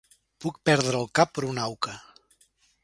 Puc perdre el cap per una auca.